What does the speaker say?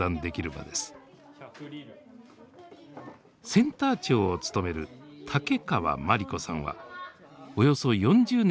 センター長を務める竹川真理子さんはおよそ４０年にわたり